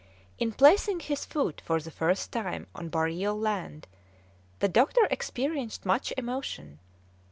In placing his foot for the first time on boreal land, the doctor experienced much emotion.